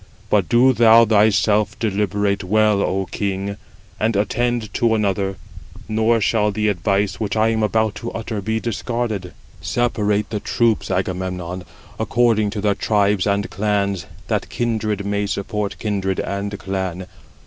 But do thou thyself deliberate well, O king, and attend to another; nor shall the advice which I am about to utter be discarded. Separate the troops, Agamemnon, according to their tribes and clans, that kindred may support kindred, and clan.